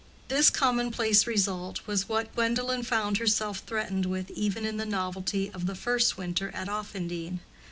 This commonplace result was what Gwendolen found herself threatened with even in the novelty of the first winter at Offendene.